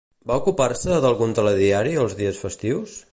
Va ocupar-se d'algun telediari els dies festius?